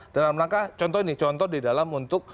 dalam rangka contoh ini contoh di dalam untuk